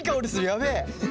やべえ。